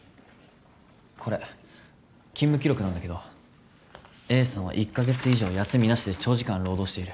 これ勤務記録なんだけどＡさんは１カ月以上休みなしで長時間労働している。